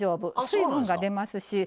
水分が出ますし。